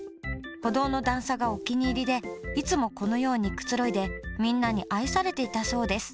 歩道の段差がお気に入りでいつもこのようにくつろいでみんなに愛されていたそうです。